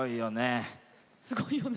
すごいよね。